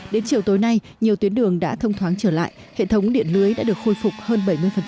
đến chiều tối nay nhiều tuyến đường đã thông thoáng trở lại hệ thống điện lưới đã được khôi phục hơn bảy mươi